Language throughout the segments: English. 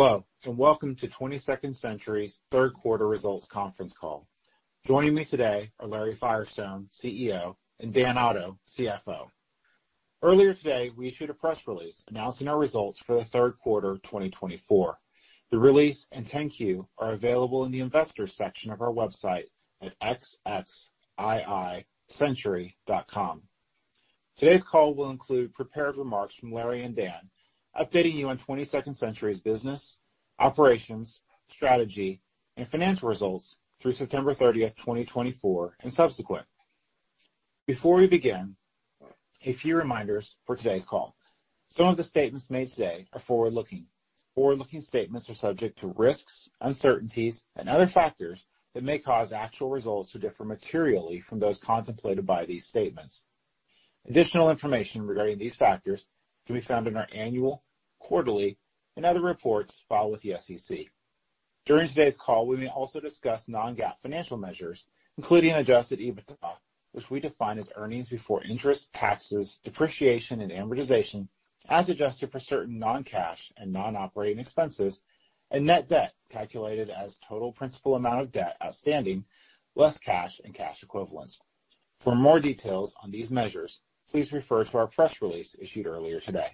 Hello, and welcome to 22nd Century's Third Quarter Results Conference Call. Joining me today are Larry Firestone, CEO, and Dan Otto, CFO. Earlier today, we issued a press release announcing our results for the third quarter of 2024. The release and 10-Q are available in the investors' section of our website at xxii-century.com. Today's call will include prepared remarks from Larry and Dan, updating you on 22nd Century's business, operations, strategy, and financial results through September 30th, 2024, and subsequent. Before we begin, a few reminders for today's call. Some of the statements made today are forward-looking. Forward-looking statements are subject to risks, uncertainties, and other factors that may cause actual results to differ materially from those contemplated by these statements. Additional information regarding these factors can be found in our annual, quarterly, and other reports filed with the SEC. During today's call, we may also discuss non-GAAP financial measures, including Adjusted EBITDA, which we define as earnings before interest, taxes, depreciation, and amortization as adjusted for certain non-cash and non-operating expenses, and net debt calculated as total principal amount of debt outstanding less cash and cash equivalents. For more details on these measures, please refer to our press release issued earlier today.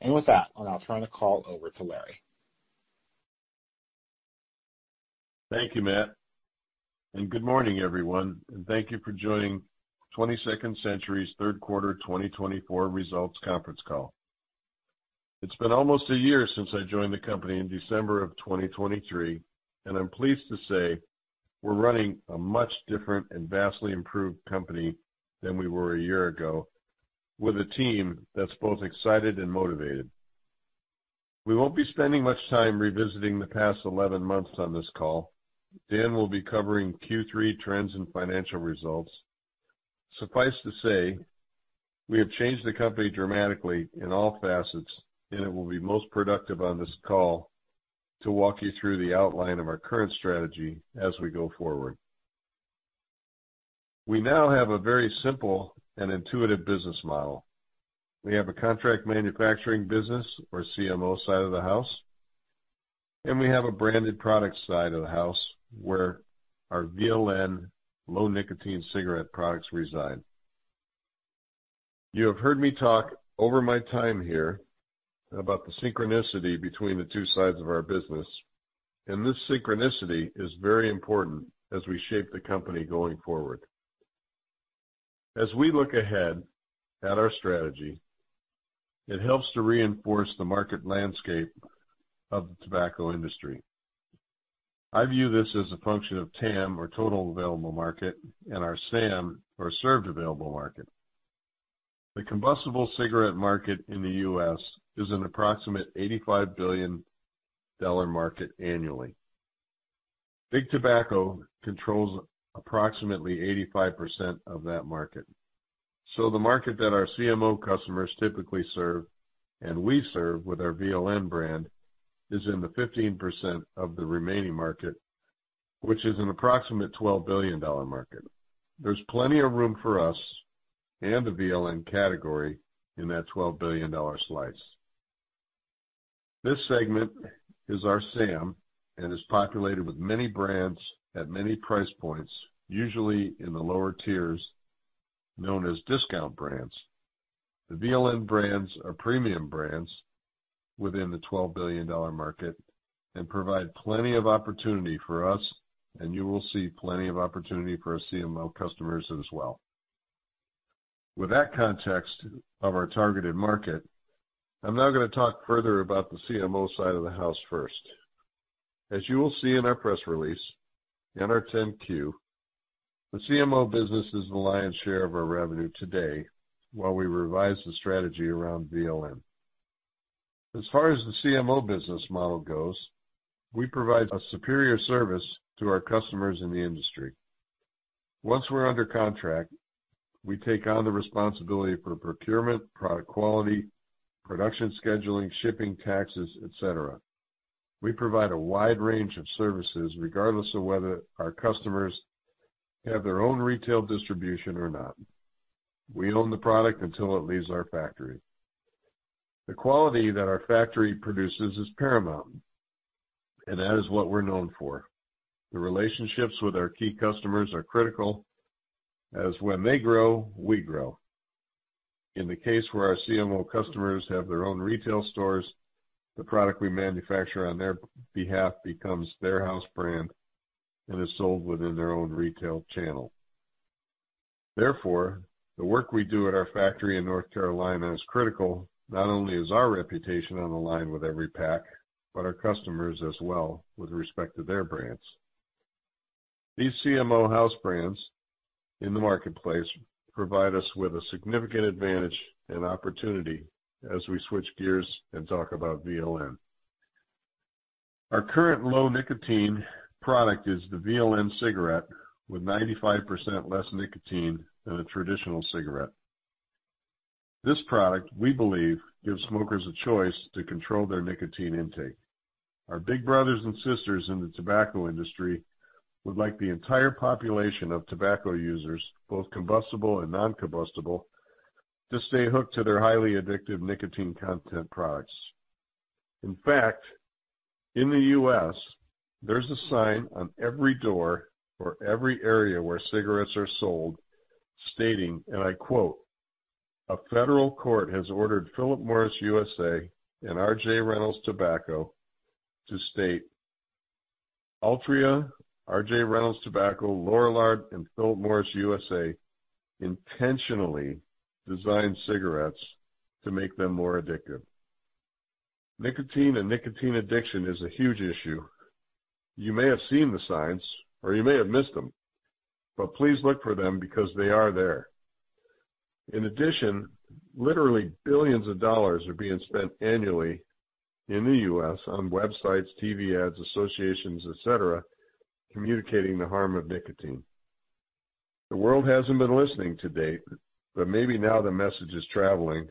And with that, I'll now turn the call over to Larry. Thank you, Matt. And good morning, everyone. And 10-Q for joining 22nd Century's Third Quarter 2024 Results Conference Call. It's been almost a year since I joined the company in December of 2023, and I'm pleased to say we're running a much different and vastly improved company than we were a year ago with a team that's both excited and motivated. We won't be spending much time revisiting the past 11 months on this call. Dan will be covering Q3 trends and financial results. Suffice to say, we have changed the company dramatically in all facets, and it will be most productive on this call to walk you through the outline of our current strategy as we go forward. We now have a very simple and intuitive business model. We have a contract manufacturing business or CMO side of the house, and we have a branded product side of the house where our VLN low-nicotine cigarette products reside. You have heard me talk over my time here about the synchronicity between the two sides of our business, and this synchronicity is very important as we shape the company going forward. As we look ahead at our strategy, it helps to reinforce the market landscape of the tobacco industry. I view this as a function of TAM or total available market and our SAM or served available market. The combustible cigarette market in the U.S. is an approximate $85 billion market annually. Big Tobacco controls approximately 85% of that market. So the market that our CMO customers typically serve and we serve with our VLN brand is in the 15% of the remaining market, which is an approximate $12 billion market. There's plenty of room for us and the VLN category in that $12 billion slice. This segment is our SAM and is populated with many brands at many price points, usually in the lower tiers known as discount brands. The VLN brands are premium brands within the $12 billion market and provide plenty of opportunity for us, and you will see plenty of opportunity for our CMO customers as well. With that context of our targeted market, I'm now going to talk further about the CMO side of the house first. As you will see in our press release and our 10-Q, the CMO business is the lion's share of our revenue today while we revise the strategy around VLN. As far as the CMO business model goes, we provide a superior service to our customers in the industry. Once we're under contract, we take on the responsibility for procurement, product quality, production scheduling, shipping, taxes, etc. We provide a wide range of services regardless of whether our customers have their own retail distribution or not. We own the product until it leaves our factory. The quality that our factory produces is paramount, and that is what we're known for. The relationships with our key customers are critical as when they grow, we grow. In the case where our CMO customers have their own retail stores, the product we manufacture on their behalf becomes their house brand and is sold within their own retail channel. Therefore, the work we do at our factory in North Carolina is critical, not only is our reputation on the line with every pack, but our customers as well with respect to their brands. These CMO house brands in the marketplace provide us with a significant advantage and opportunity as we switch gears and talk about VLN. Our current low nicotine product is the VLN cigarette with 95% less nicotine than a traditional cigarette. This product, we believe, gives smokers a choice to control their nicotine intake. Our big brothers and sisters in the tobacco industry would like the entire population of tobacco users, both combustible and non-combustible, to stay hooked to their highly addictive nicotine content products. In fact, in the U.S., there's a sign on every door or every area where cigarettes are sold stating, and I quote, "A federal court has ordered Philip Morris USA and R.J. Reynolds Tobacco to state Altria, R.J. Reynolds Tobacco, Lorillard, and Philip Morris USA intentionally designed cigarettes to make them more addictive." Nicotine and nicotine addiction is a huge issue. You may have seen the signs or you may have missed them, but please look for them because they are there. In addition, literally billions of dollars are being spent annually in the U.S. on websites, TV ads, associations, etc., communicating the harm of nicotine. The world hasn't been listening to date, but maybe now the message is traveling,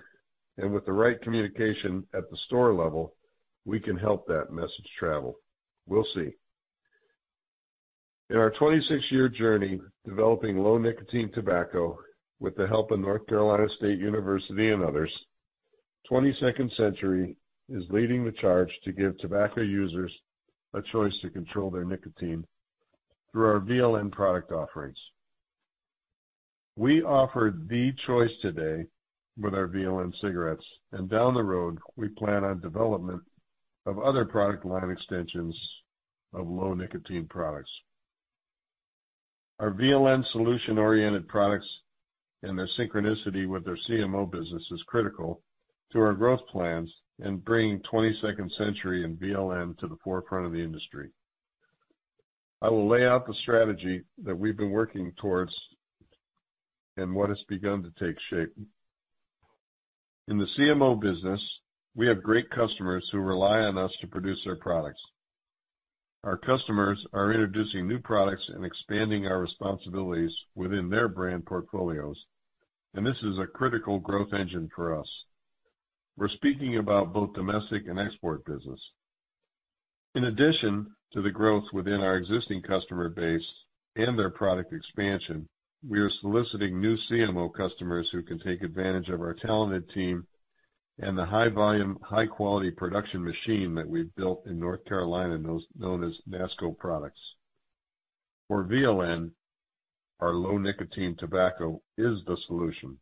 and with the right communication at the store level, we can help that message travel. We'll see. In our 26-year journey developing low-nicotine tobacco with the help of North Carolina State University and others, 22nd Century is leading the charge to give tobacco users a choice to control their nicotine through our VLN product offerings. We offer the choice today with our VLN cigarettes, and down the road, we plan on development of other product line extensions of low-nicotine products. Our VLN solution-oriented products and their synchronicity with our CMO business is critical to our growth plans in bringing 22nd Century and VLN to the forefront of the industry. I will lay out the strategy that we've been working towards and what has begun to take shape. In the CMO business, we have great customers who rely on us to produce their products. Our customers are introducing new products and expanding our responsibilities within their brand portfolios, and this is a critical growth engine for us. We're speaking about both domestic and export business. In addition to the growth within our existing customer base and their product expansion, we are soliciting new CMO customers who can take advantage of our talented team and the high-volume, high-quality production machine that we've built in North Carolina known as NASCO Products. For VLN, our low nicotine tobacco is the solution.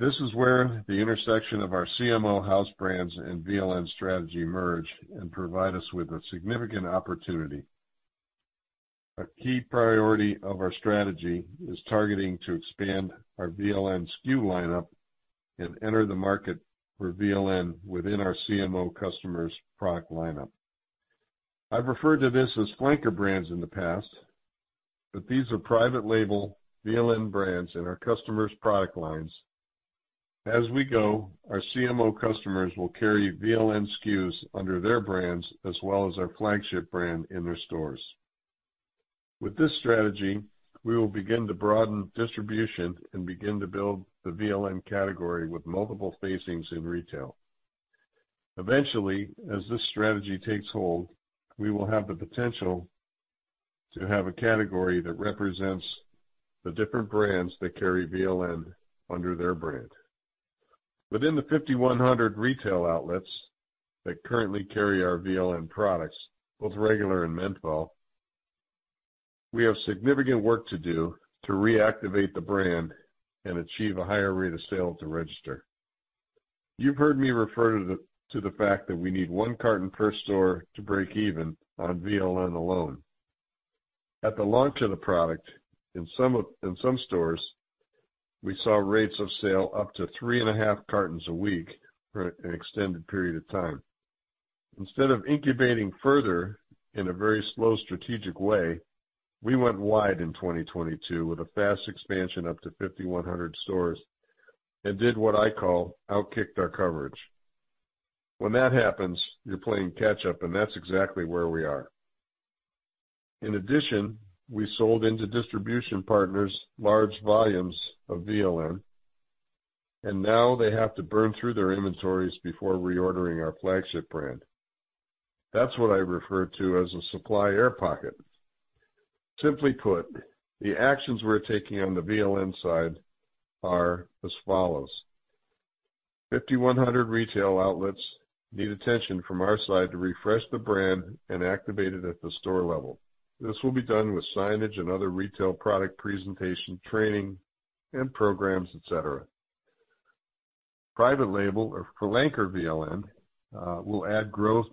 This is where the intersection of our CMO house brands and VLN strategy merge and provide us with a significant opportunity. A key priority of our strategy is targeting to expand our VLN SKU lineup and enter the market for VLN within our CMO customers' product lineup. I've referred to this as flanker brands in the past, but these are private-label VLN brands in our customers' product lines. As we go, our CMO customers will carry VLN SKUs under their brands as well as our flagship brand in their stores. With this strategy, we will begin to broaden distribution and begin to build the VLN category with multiple facings in retail. Eventually, as this strategy takes hold, we will have the potential to have a category that represents the different brands that carry VLN under their brand. Within the 5,100 retail outlets that currently carry our VLN products, both regular and menthol, we have significant work to do to reactivate the brand and achieve a higher rate of sales to register. You've heard me refer to the fact that we need one carton per store to break even on VLN alone. At the launch of the product in some stores, we saw rates of sale up to three and a half cartons a week for an extended period of time. Instead of incubating further in a very slow strategic way, we went wide in 2022 with a fast expansion up to 5,100 stores and did what I call outkicked our coverage. When that happens, you're playing catch-up, and that's exactly where we are. In addition, we sold into distribution partners large volumes of VLN, and now they have to burn through their inventories before reordering our flagship brand. That's what I refer to as a supply air pocket. Simply put, the actions we're taking on the VLN side are as follows. 5,100 retail outlets need attention from our side to refresh the brand and activate it at the store level. This will be done with signage and other retail product presentation, training, and programs, etc. Private label or flanker VLN will add growth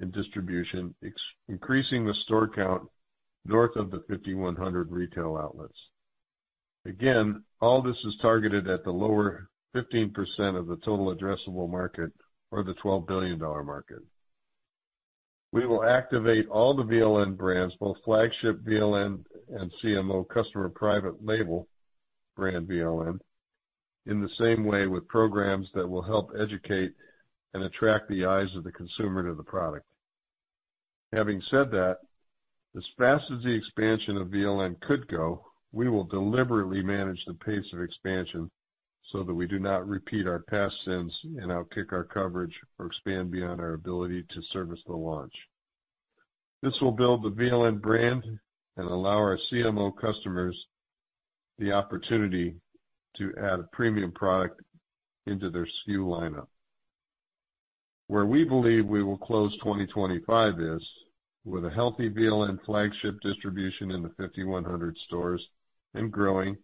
in distribution, increasing the store count north of the 5,100 retail outlets. Again, all this is targeted at the lower 15% of the total addressable market or the $12 billion market. We will activate all the VLN brands, both flagship VLN and CMO customer private label brand VLN, in the same way with programs that will help educate and attract the eyes of the consumer to the product. Having said that, as fast as the expansion of VLN could go, we will deliberately manage the pace of expansion so that we do not repeat our past sins and outkick our coverage or expand beyond our ability to service the launch. This will build the VLN brand and allow our CMO customers the opportunity to add a premium product into their SKU lineup. Where we believe we will close 2025 is with a healthy VLN flagship distribution in the 5,100 stores and growing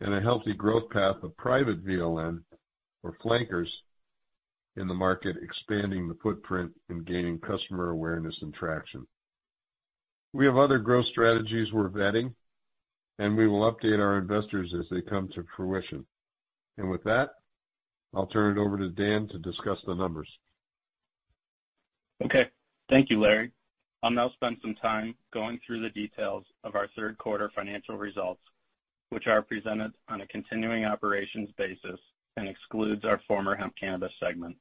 and a healthy growth path of private VLN or flankers in the market, expanding the footprint and gaining customer awareness and traction. We have other growth strategies we're vetting, and we will update our investors as they come to fruition. And with that, I'll turn it over to Dan to discuss the numbers. Okay. Thank you, Larry. I'll now spend some time going through the details of our third quarter financial results, which are presented on a continuing operations basis and excludes our former hemp cannabis segment.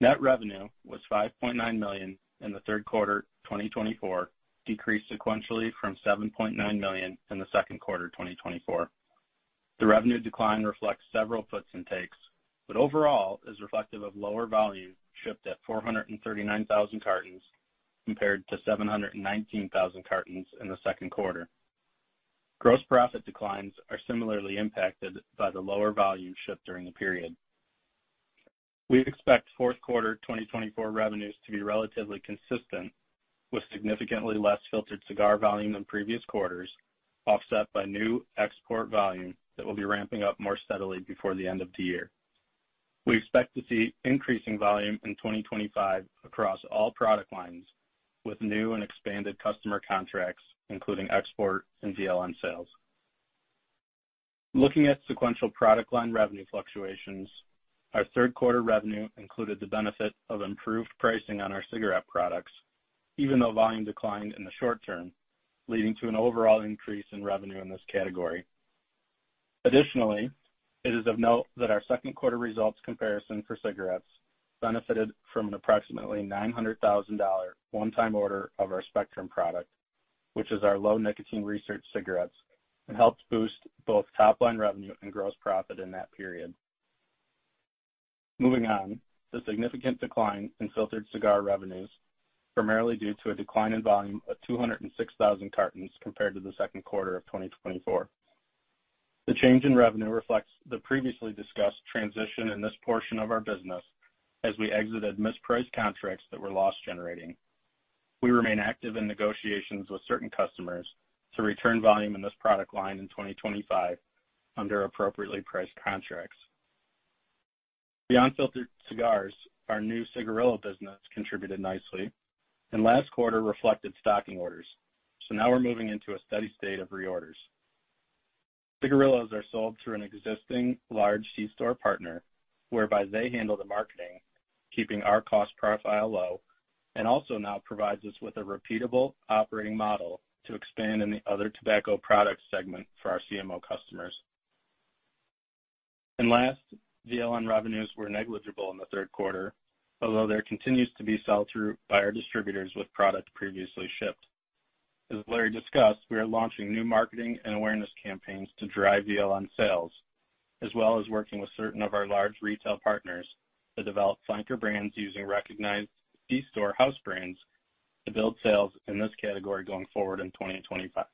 Net revenue was $5.9 million in the third quarter 2024, decreased sequentially from $7.9 million in the second quarter 2024. The revenue decline reflects several puts and takes, but overall is reflective of lower volume shipped at 439,000 cartons compared to 719,000 cartons in the second quarter. Gross profit declines are similarly impacted by the lower volume shipped during the period. We expect fourth quarter 2024 revenues to be relatively consistent with significantly less filtered cigar volume than previous quarters, offset by new export volume that will be ramping up more steadily before the end of the year. We expect to see increasing volume in 2025 across all product lines with new and expanded customer contracts, including export and VLN sales. Looking at sequential product line revenue fluctuations, our third quarter revenue included the benefit of improved pricing on our cigarette products, even though volume declined in the short term, leading to an overall increase in revenue in this category. Additionally, it is of note that our second quarter results comparison for cigarettes benefited from an approximately $900,000 one-time order of our Spectrum product, which is our low nicotine research cigarettes, and helped boost both top-line revenue and gross profit in that period. Moving on, the significant decline in filtered cigar revenues is primarily due to a decline in volume of 206,000 cartons compared to the second quarter of 2024. The change in revenue reflects the previously discussed transition in this portion of our business as we exited mispriced contracts that were loss-generating. We remain active in negotiations with certain customers to return volume in this product line in 2025 under appropriately priced contracts. Beyond filtered cigars, our new cigarillo business contributed nicely and last quarter reflected stocking orders. So now we're moving into a steady state of reorders. Cigarillos are sold through an existing large C-store partner whereby they handle the marketing, keeping our cost profile low, and also now provides us with a repeatable operating model to expand in the other tobacco product segment for our CMO customers, and last, VLN revenues were negligible in the third quarter, although there continues to be sell-through by our distributors with product previously shipped. As Larry discussed, we are launching new marketing and awareness campaigns to drive VLN sales, as well as working with certain of our large retail partners to develop flanker brands using recognized C-store house brands to build sales in this category going forward in 2025.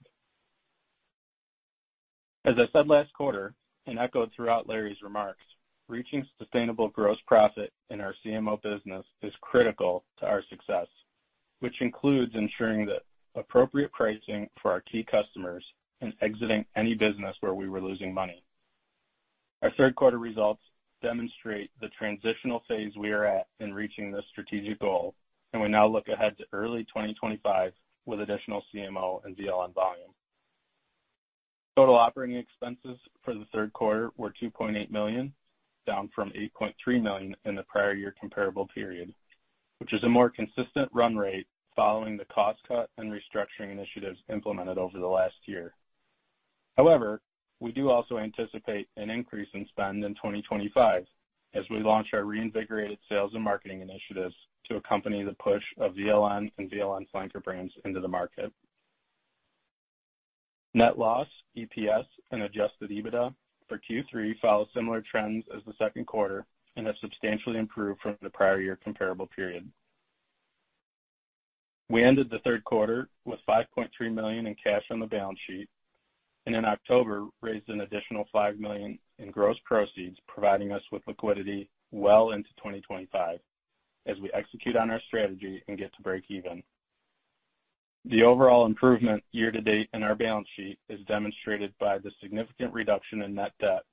As I said last quarter, and echoed throughout Larry's remarks, reaching sustainable gross profit in our CMO business is critical to our success, which includes ensuring that appropriate pricing for our key customers and exiting any business where we were losing money. Our third quarter results demonstrate the transitional phase we are at in reaching this strategic goal, and we now look ahead to early 2025 with additional CMO and VLN volume. Total operating expenses for the third quarter were $2.8 million, down from $8.3 million in the prior year comparable period, which is a more consistent run rate following the cost cut and restructuring initiatives implemented over the last year. However, we do also anticipate an increase in spend in 2025 as we launch our reinvigorated sales and marketing initiatives to accompany the push of VLN and VLN flanker brands into the market. Net loss, EPS, and adjusted EBITDA for Q3 follow similar trends as the second quarter and have substantially improved from the prior year comparable period. We ended the third quarter with $5.3 million in cash on the balance sheet and in October raised an additional $5 million in gross proceeds, providing us with liquidity well into 2025 as we execute on our strategy and get to break even. The overall improvement year to date in our balance sheet is demonstrated by the significant reduction in net debt,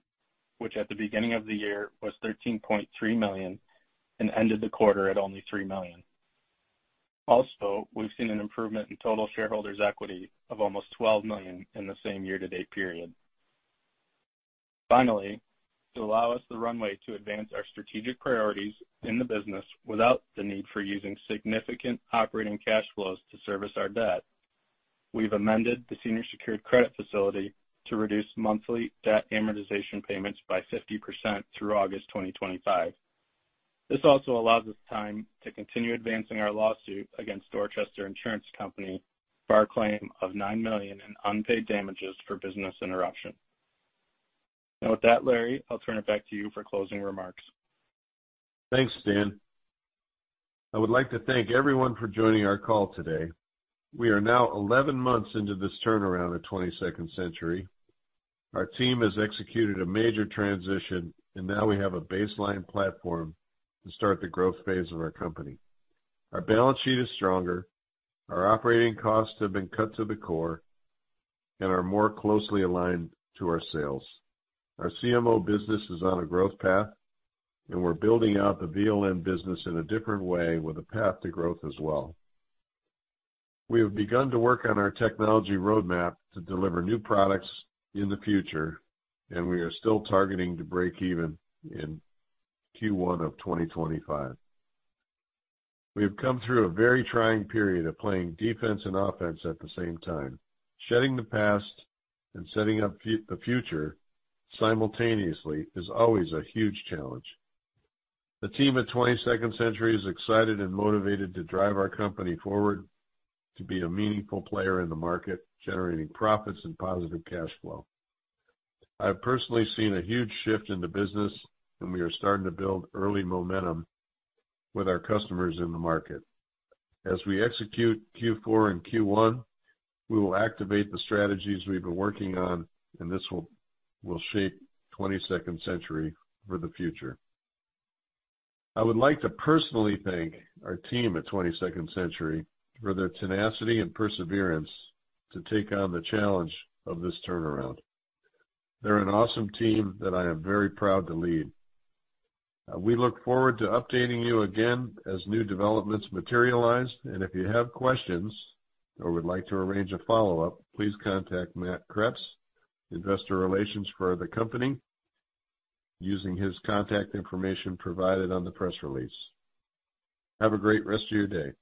which at the beginning of the year was $13.3 million and ended the quarter at only $3 million. Also, we've seen an improvement in total shareholders' equity of almost $12 million in the same year-to-date period. Finally, to allow us the runway to advance our strategic priorities in the business without the need for using significant operating cash flows to service our debt, we've amended the senior secured credit facility to reduce monthly debt amortization payments by 50% through August 2025. This also allows us time to continue advancing our lawsuit against Dorchester Insurance Company for our claim of $9 million in unpaid damages for business interruption, and with that, Larry, I'll turn it back to you for closing remarks. Thanks, Dan. I would like to thank everyone for joining our call today. We are now 11 months into this turnaround at 22nd Century. Our team has executed a major transition, and now we have a baseline platform to start the growth phase of our company. Our balance sheet is stronger, our operating costs have been cut to the core, and are more closely aligned to our sales. Our CMO business is on a growth path, and we're building out the VLN business in a different way with a path to growth as well. We have begun to work on our technology roadmap to deliver new products in the future, and we are still targeting to break even in Q1 of 2025. We have come through a very trying period of playing defense and offense at the same time. Shedding the past and setting up the future simultaneously is always a huge challenge. The team at 22nd Century is excited and motivated to drive our company forward to be a meaningful player in the market, generating profits and positive cash flow. I have personally seen a huge shift in the business, and we are starting to build early momentum with our customers in the market. As we execute Q4 and Q1, we will activate the strategies we've been working on, and this will shape 22nd Century for the future. I would like to personally thank our team at 22nd Century for their tenacity and perseverance to take on the challenge of this turnaround. They're an awesome team that I am very proud to lead. We look forward to updating you again as new developments materialize, and if you have questions or would like to arrange a follow-up, please contact Matt Kreps, Investor Relations for the company, using his contact information provided on the press release. Have a great rest of your day.